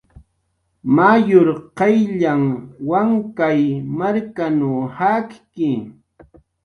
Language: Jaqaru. Mayur qayllanh Wankay markanw jakki